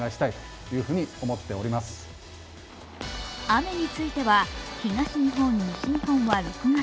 雨については東日本、西日本は６月、